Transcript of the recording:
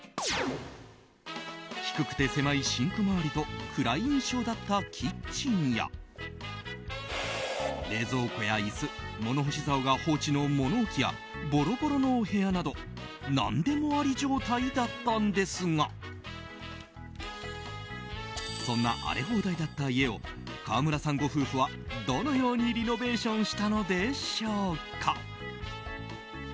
低くて狭いシンク周りと暗い印象だったキッチンや冷蔵庫や椅子物干しざおが放置の物置やボロボロのお部屋など何でもあり状態だったんですがそんな荒れ放題だった家を川村さんご夫婦はどのようにリノベーションしたのでしょうか。